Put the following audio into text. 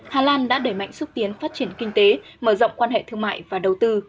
hà lan đã đẩy mạnh xúc tiến phát triển kinh tế mở rộng quan hệ thương mại và đầu tư